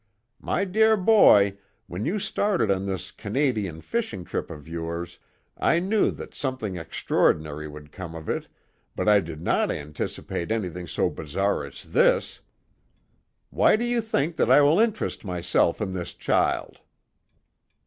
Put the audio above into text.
"My dear boy, when you started on this Canadian fishing trip of yours I knew that something extraordinary would come of it, but I did not anticipate anything so bizarre as this! Why do you think that I will interest myself in this child?"